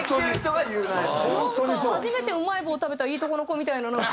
初めてうまい棒を食べたいいとこの子みたいな。